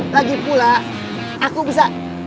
lagipula aku bisa berbicara sama si rambo